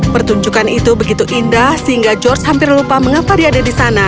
pertunjukan itu begitu indah sehingga george hampir lupa mengapa dia ada di sana